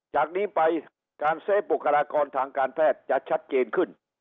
จากนี้ไปการเซฟบุคลากรทางการแพทย์จะชัดเจนขึ้น